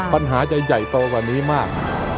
ปัญหาจะใหญ่โตกว่านี้มาก